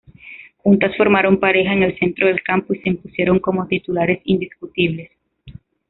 Juntas formaron pareja en el centro del campo y se impusieron como titulares indiscutibles.